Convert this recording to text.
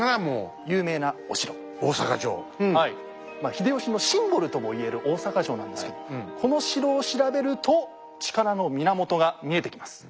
秀吉のシンボルとも言える大坂城なんですけどこの城を調べると力の源が見えてきます。